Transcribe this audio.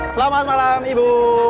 selamat malam ibu